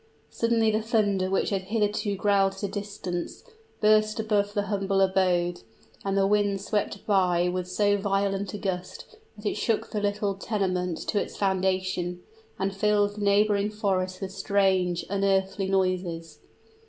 Suddenly the thunder which had hitherto growled at a distance, burst above the humble abode; and the wind swept by with so violent a gust, that it shook the little tenement to its foundation, and filled the neighboring forest with strange, unearthly noises.